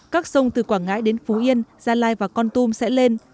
các sông từ quảng ngãi đến phú yên gia lai và con tum sẽ lên